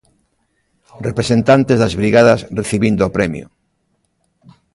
Representantes das brigadas recibindo o premio.